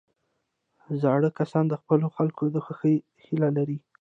زاړه کسان د خپلو خلکو د خوښۍ هیله لري